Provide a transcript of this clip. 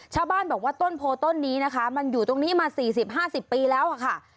ชาวบ้านบอกว่าต้นโพต้นนี้นะคะมันอยู่ตรงนี้มา๔๐๕๐ปีแล้วค่ะ